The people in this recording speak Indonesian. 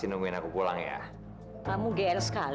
tidak ada dong gak ngin util